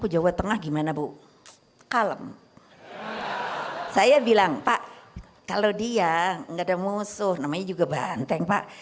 jawa tengah gimana bu kalem saya bilang pak kalau dia enggak ada musuh namanya juga banteng pak